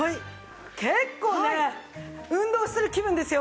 結構ね運動している気分ですよ。